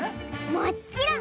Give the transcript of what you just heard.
もっちろん！